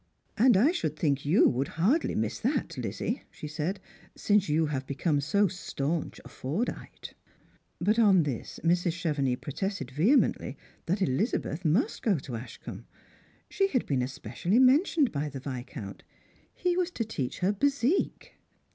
" And I should think ijou would hardly miss that, Lizzie," she eaid, " since you have become so stanch a Forde ite." But on this Mrs. Chevenix protested vehemently that Eliza beth must go to Ashcombe. She had been especially mentioned by the Viscount. He was to teach her bezique.